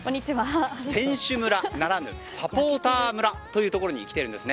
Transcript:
選手村ならぬ、サポーター村というところに来ています。